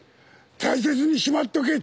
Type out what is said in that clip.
大切にしまっとけ。